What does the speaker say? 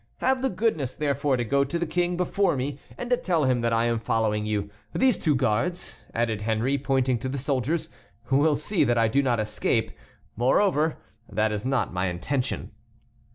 Have the goodness, therefore, to go to the King before me, and to tell him that I am following you. These two guards," added Henry, pointing to the soldiers, "will see that I do not escape. Moreover, that is not my intention."